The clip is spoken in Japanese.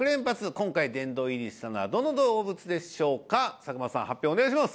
今回殿堂入りしたのはどの動物でしょうか佐久間さん発表をお願いします